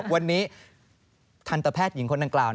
วันนี้ทันตแพทย์หญิงคนดังกล่าว